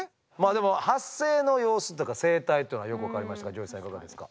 でも発生の様子というか生態というのはよく分かりましたがＪＯＹさんいかがですか？